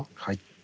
はい。